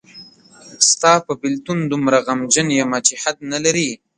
ستا په بېلتون دومره غمجن یمه چې حد نلري